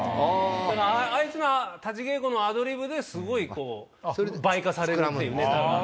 あいつが立ち稽古のアドリブですごいこう倍化されるっていうネタが。